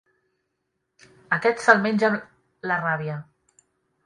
Aquest, se'l menja la ràbia.